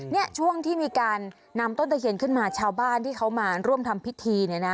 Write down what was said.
เนี่ยช่วงที่มีการนำต้นตะเคียนขึ้นมาชาวบ้านที่เขามาร่วมทำพิธีเนี่ยนะ